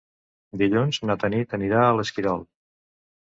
Dilluns na Tanit anirà a l'Esquirol.